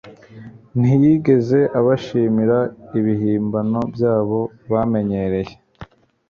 Ntiyigeze abashimira ibihimbano byabo bamenyereye;